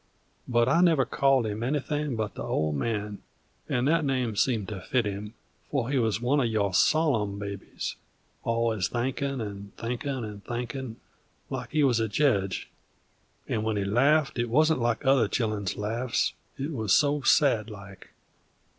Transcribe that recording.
But I never called him anything but the Old Man, and that name seemed to fit him, for he wuz one of your sollum babies, alwuz thinkin' 'nd thinkin' 'nd thinkin', like he wuz a jedge, and when he laffed it wuzn't like other children's laffs, it wuz so sad like.